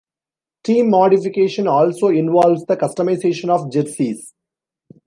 Team modification also involves the customization of jerseys.